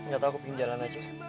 gak tau aku pingin jalan aja